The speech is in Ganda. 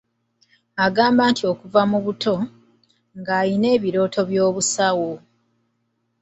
Agamba nti okuva mu buto, ng'alina ekirooto ky'obusawo.